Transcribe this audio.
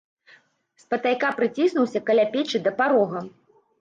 Спатайка праціснуўся каля печы да парога.